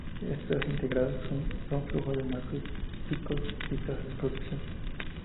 Estas integrales son flujos macroscópicos y tasas de producción.